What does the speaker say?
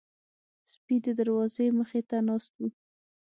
سپي د دروازې مخې ته ناست وو.